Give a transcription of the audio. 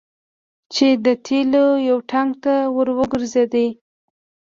چې د تیلو یو ټانګ ته ور وګرځید.